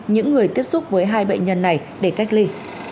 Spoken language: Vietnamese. những người tiếp xúc với hai bệnh nhân này để cách ly